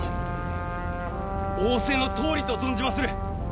仰せのとおりと存じまする！